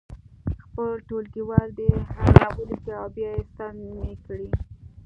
خپل ټولګیوال دې هغه ولیکي او بیا سم یې کړي.